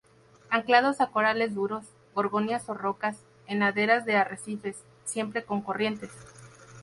Anclados a corales duros, gorgonias o rocas, en laderas de arrecifes, siempre con corrientes.